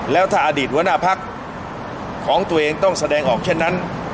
แล้วถ้าอดีตหัวหน้าพักของตัวเองต้องแสดงออกเช่นนั้น